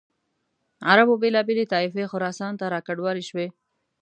عربو بېلابېلې طایفې خراسان ته را کډوالې شوې.